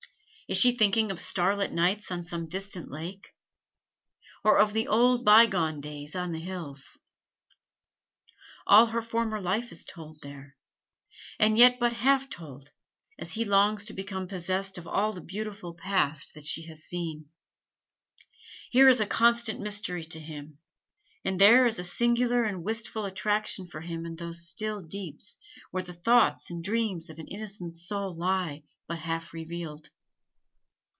Is she thinking of starlit nights on some distant lake, or of the old bygone days on the hills? All her former life is told there, and yet but half told, and he longs to become possessed of all the beautiful past that she has seen. Here is a constant mystery to him, and there is a singular and wistful attraction for him in those still deeps where the thoughts and dreams of an innocent soul lie but half revealed.